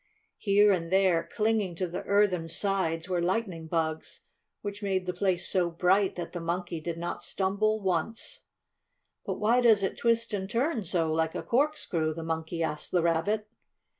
Here and there, clinging to the earthen sides, were lightning bugs, which made the place so bright that the Monkey did not stumble once. "But why does it twist and turn so, like a corkscrew?" the Monkey asked the Rabbit.